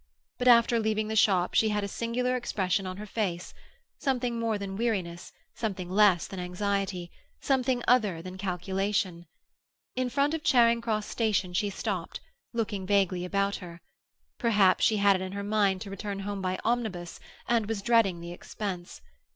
But after leaving the shop she had a singular expression on her face—something more than weariness, something less than anxiety, something other than calculation. In front of Charing Cross Station she stopped, looking vaguely about her. Perhaps she had it in her mind to return home by omnibus, and was dreading the expense.